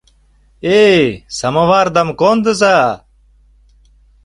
Эй, самовардам кондыза!